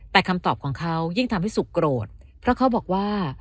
แต่คำตอบของเขายิ่งทำให้สุกโกรธเพราะเขาบอกว่า